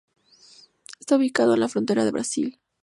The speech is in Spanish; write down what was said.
Está ubicado en la frontera con Brasil.